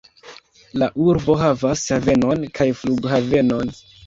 La urbo havas havenon kaj flughavenon.